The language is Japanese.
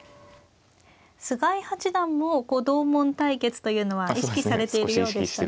菅井八段もこう同門対決というのは意識されているようでしたね。